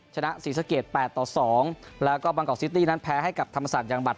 ชนะศรีสะเกด๘ต่อ๒แล้วก็บางกอกซิตี้นั้นแพ้ให้กับธรรมศาสตร์อย่างบัต